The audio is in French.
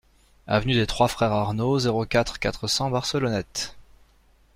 Avenue des Trois Frères Arnaud, zéro quatre, quatre cents Barcelonnette